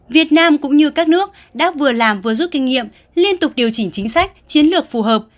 việt nam cũng như các nước đã vừa làm vừa rút kinh nghiệm liên tục điều chỉnh chính sách chiến lược phù hợp